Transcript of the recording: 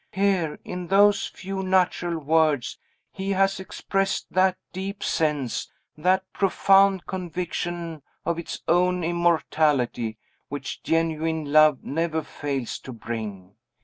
Here, in those few natural words, he has expressed that deep sense, that profound conviction of its own immortality, which genuine love never fails to bring.